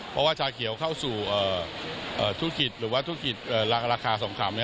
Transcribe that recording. เพราะว่าชาเขียวเข้าสู่ธุรกิจหรือว่าธุรกิจราคาสงคราม